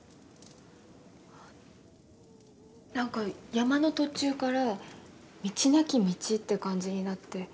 何か山の途中から道なき道って感じになって。